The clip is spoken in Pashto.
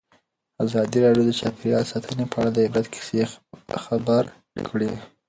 ازادي راډیو د چاپیریال ساتنه په اړه د عبرت کیسې خبر کړي.